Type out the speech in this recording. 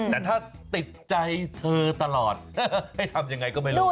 แต่ถ้าติดใจเธอตลอดให้ทำยังไงก็ไม่รู้